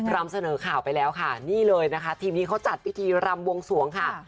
ำเสนอข่าวไปแล้วค่ะนี่เลยนะคะทีมนี้เขาจัดพิธีรำวงสวงค่ะ